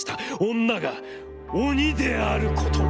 女が鬼であることを。